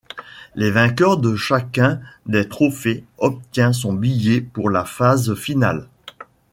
Les vainqueurs de chacun des trophées obtient son billet pour la phase finale.